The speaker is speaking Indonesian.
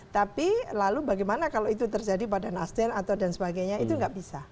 tapi lalu bagaimana kalau itu terjadi pada nasdem atau dan sebagainya itu nggak bisa